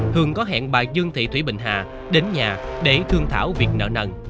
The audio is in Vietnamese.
hương có hẹn bà dương thị thủy bình hà đến nhà để thương thảo việc nợ nần